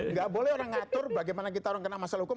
nggak boleh orang ngatur bagaimana kita orang kena masalah hukum